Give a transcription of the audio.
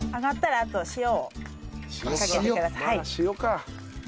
ああ塩か。